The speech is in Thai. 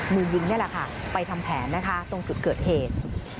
มือยิงไปทำแผนตรงจุดเกิดเหตุ